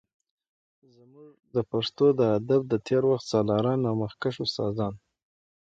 زمونږ د پښتو د ادب د تیر وخت سالاران او مخکښ استادان